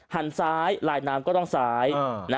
หันซ้ายลายน้ำก็ต้องซ้าย